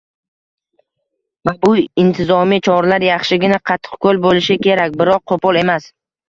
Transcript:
va bu intizomiy choralar yaxshigina qattiqqo‘l bo‘lishi kerak, biroq qo‘pol emas.